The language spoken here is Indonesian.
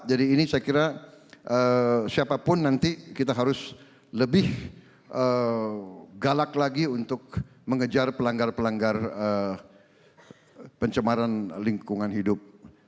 jadi ini saya kira siapapun nanti kita harus lebih galak lagi untuk mengejar pelanggar pelanggar pencemaran lingkungan hidup